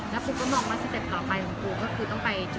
แล้วพรุ่งก็มองว่าสเต็ปต่อไปของครูก็คือต้องไปจุดครู